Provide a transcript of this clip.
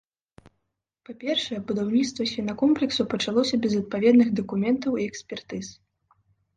Па-першае, будаўніцтва свінакомплексу пачалося без адпаведных дакументаў і экспертыз.